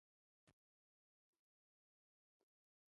a teoria dos marxistas sobre a natureza pequeno-burguesa